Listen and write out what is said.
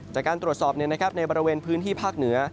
จากการตรวจสอบในบริเวณพื้นที่ภาคเหนือ